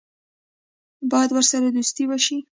باید ورسره دوستي وشي.